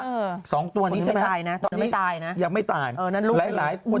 สองตัวนี้ใช่ไหมตายนะตอนนี้ตายนะยังไม่ตายเออนั่นลูกหลายหลายคน